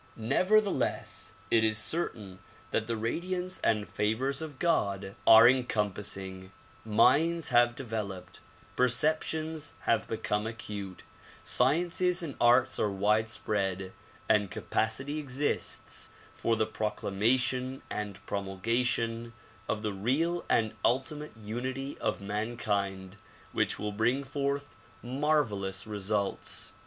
Nevertheless it is certain that the radiance and favors of God are encompassing, minds have developed, perceptions have become acute, sciences and arts are widespread and capacity exists for the procla mation and promulgation of the real and ultimate unity of man kind which will bring forth marvelous results.